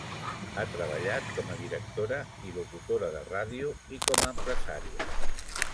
Ha treballat com a directora i locutora de ràdio i com a empresària.